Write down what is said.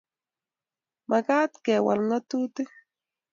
Mekat kewal ng'atutik.